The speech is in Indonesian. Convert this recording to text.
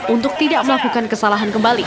untuk tidak melakukan kesalahan kembali